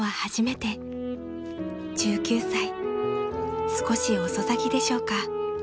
［１９歳少し遅咲きでしょうか］